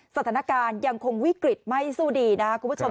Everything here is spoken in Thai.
สถานการณ์ยังคงวิกฤตไม่สู้ดีนะครับคุณผู้ชม